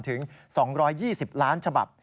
ถึง๒๒๐ล้านฉบับ